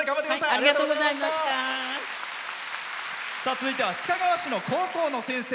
続いては須賀川市の高校の先生。